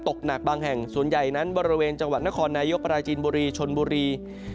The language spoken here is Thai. หนักบางแห่งส่วนใหญ่นั้นบริเวณจังหวัดนครนายกปราจีนบุรีชนบุรี